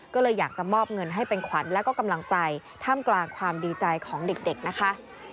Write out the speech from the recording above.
ก็เลยอยากจะมอบเงินให้เป็นขวัญแล้วก็กำลังใจท่ามกลางความดีใจของเด็กนะคะ